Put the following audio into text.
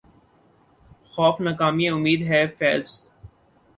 خوف ناکامئ امید ہے فیضؔ